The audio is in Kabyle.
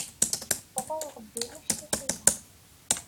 Ɣur Ṛebbi ulac tiḥila.